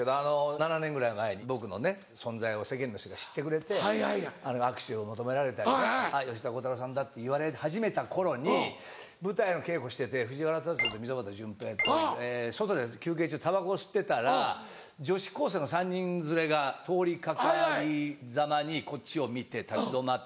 ７年ぐらい前に僕のね存在を世間の人が知ってくれて握手を求められたりね「あっ吉田鋼太郎さんだ」って言われ始めた頃に舞台の稽古してて藤原竜也と溝端淳平と外で休憩中タバコを吸ってたら女子高生の３人連れが通りかかりざまにこっちを見て立ち止まって。